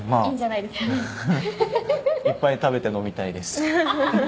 いっぱい食べて飲みたいです。